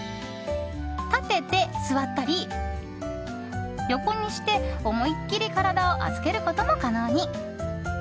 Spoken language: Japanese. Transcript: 立てて座ったり横にして、思いっきり体を預けることも可能に。